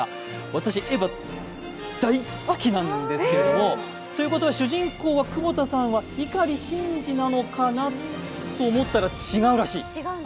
私、「エヴァ」大好きなんですけどもということは主人公は窪田さんは碇シンジなのかなと思ったら違うらしい。